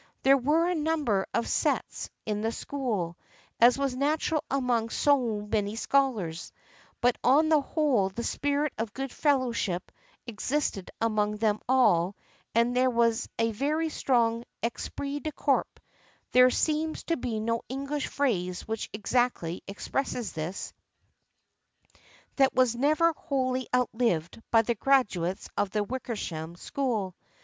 There were a number of " sets " in the school, as was natural among so many scholars, but on the whole the spirit of good fellowship existed among them all and there was a very strong esprit de corps (there seems to be no English phrase which ex actly expresses this) that was never wholly outlived by the graduates of the Wickersham School.